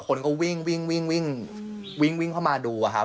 คนก็วิ่งทวมาดูแล้วครับ